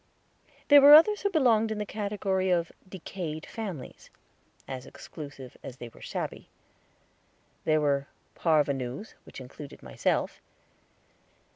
There were others who belonged in the category of Decayed Families, as exclusive as they were shabby. There were parvenus, which included myself.